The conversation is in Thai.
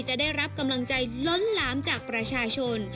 จะได้รับกำลังใจล้นหลามจากประชาชน